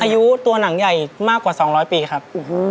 อายุตัวหนังใหญ่มากกว่า๒๐๐ปีครับ